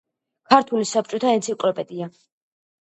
ქართულ საბჭოთა ენციკლობედია.